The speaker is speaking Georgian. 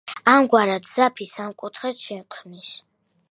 ამგვარად ძაფი სამკუთხედს შექმნის.